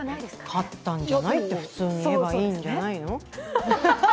勝ったんじゃない？って普通に言えばいいんじゃないの？